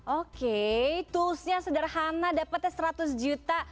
oke toolsnya sederhana dapatnya seratus juta